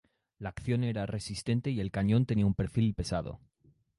La acción era resistente y el cañón tenía un perfil pesado.